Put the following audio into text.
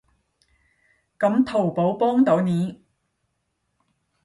噉淘寶幫到你